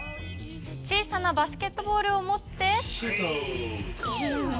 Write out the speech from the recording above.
小さなバスケットボールを持って。